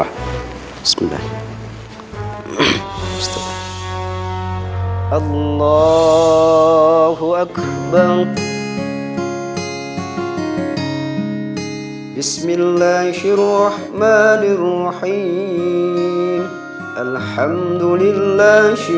sudah sudah sudah